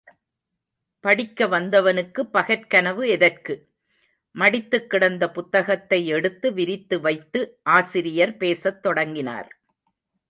படிக்க வந்தவனுக்கு பகற் கனவு எதற்கு? மடித்துக் கிடந்த புத்தகத்தை எடுத்து விரித்து வைத்து ஆசிரியர் பேசத் தொடங்கினார்.